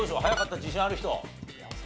早かった自信ある人？